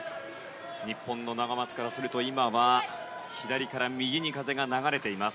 日本のナガマツからすると今は左から右に風が流れています。